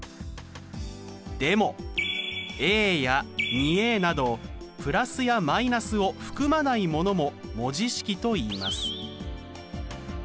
でもや２などプラスやマイナスを含まないものも文字式といいます。